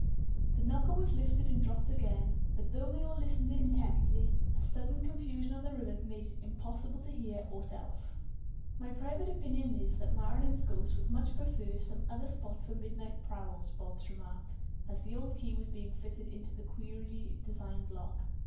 The knocker was lifted and dropped again, but though they all listened intently, a sudden confusion on the river made it impossible to hear aught else. "My private opinion is that Marilyn's ghost would much prefer some other spot for midnight prowls," Bobs remarked, as the old key was being fitted into the queerly designed lock.